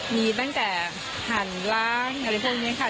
มีตั้งแต่หั่นล้างอะไรพวกนี้ค่ะ